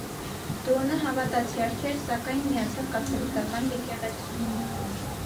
Դոնը հավատացյալ չէր, սակայն միացավ կաթոլիկական եկեղեցուն։